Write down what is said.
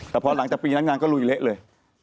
แต่พอหลังจากปีนักงานก็ลุยเละเลย